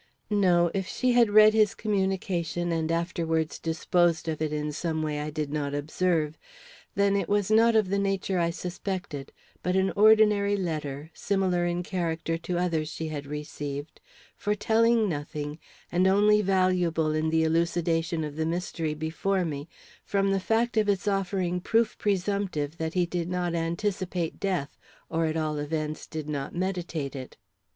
No; if she had read his communication and afterwards disposed of it in some way I did not observe, then it was not of the nature I suspected; but an ordinary letter, similar in character to others she had received, foretelling nothing, and only valuable in the elucidation of the mystery before me from the fact of its offering proof presumptive that he did not anticipate death, or at all events did not meditate it.